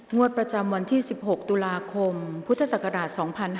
งวดประจำวันที่๑๖ตุลาคมพุทธศักราช๒๕๕๙